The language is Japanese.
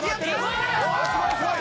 すごいすごい！